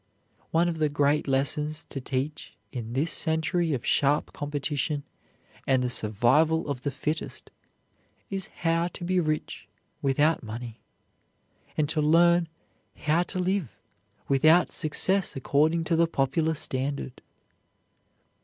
One of the great lessons to teach in this century of sharp competition and the survival of the fittest is how to be rich without money and to learn how to live without success according to the popular standard.